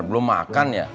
belum makan ya